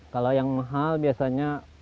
kalau yang mahal biasanya